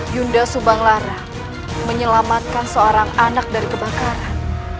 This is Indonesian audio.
yunda subanglara menyelamatkan seorang anak dari kebakaran